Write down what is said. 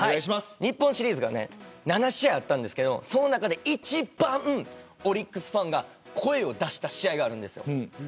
日本シリーズは７試合ありますがその中で一番オリックスファンが声を出した試合があります。